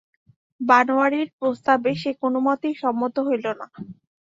বনোয়ারির প্রস্তাবে সে কোনোমতেই সম্মত হইল না।